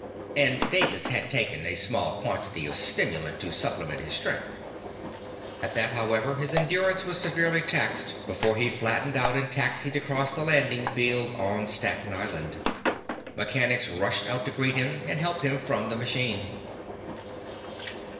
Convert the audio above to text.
And Davis had taken a small quantity of stimulant to supplement his strength. At that, however, his endurance was severely taxed before he flattened out and taxied across the landing field on Staten Island. Mechanics rushed out to greet him and help him from the machine.